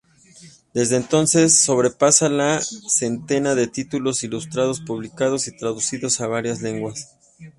Desde entonces sobrepasa la centena de títulos ilustrados publicados y traducidos a varias lenguas.